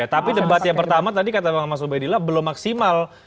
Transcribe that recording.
tapi debat yang pertama tadi kata bang mas ubedillah belum maksimal